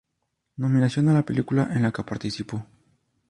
Nominación a la película en la que participó.